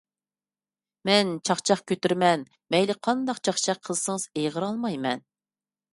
مەن چاقچاق كۆتۈرىمەن. مەيلى قانداق چاقچاق قىلسىڭىز ئېغىر ئالمايمەن.